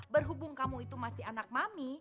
berhubung kamu itu masih anak mami